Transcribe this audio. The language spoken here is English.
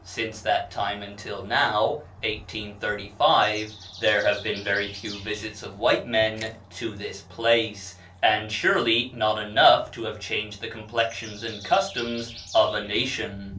Since that time until now (1835) there have been very few visits of white men to this place, and surely not enough to have changed the complexions and customs of a nation.